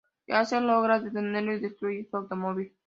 Ace logra detenerlo y destruye su automóvil.